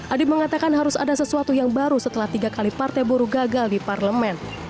adib mengatakan harus ada sesuatu yang baru setelah tiga kali partai buru gagal di parlemen